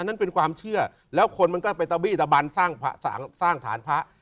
นั่นเป็นความเชื่อแล้วคนมันก็ไปตะบี้ตะบันสร้างฐานพระ